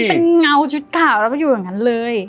เป็นเงาชุดข่าวแล้วก็อยู่อย่างนั้นเลย